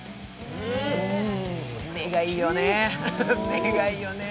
目がいいよね。